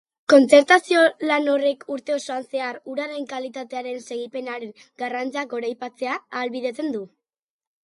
Kontzertazio lan horrek urte osoan zehar uraren kalitatearen segipenaren garrantzia goraipatzea ahalbideratzen du.